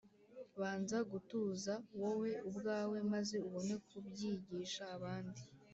banza gutuza wowe ubwawe maze ubone kubyigisha abandi